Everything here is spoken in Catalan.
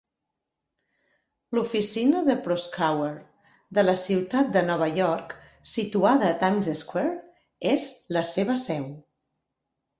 L'oficina de Proskauer de la ciutat de Nova York, situada a Times Square, és la seva seu.